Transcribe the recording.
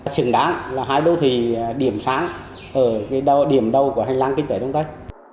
xứng đáng là hai đô thị điểm sáng ở điểm đầu của hành lang kinh tế đông tây